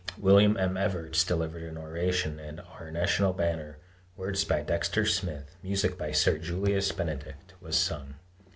William M. Evarts delivered an oration and "Our National Banner," words by Dexter Smith, music by Sir Julius Benedict, was sung.